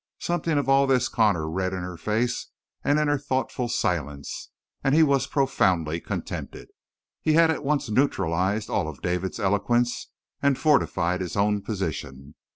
Something of all this Connor read in her face and in her thoughtful silence, and he was profoundly contented. He had at once neutralized all of David's eloquence and fortified his own position.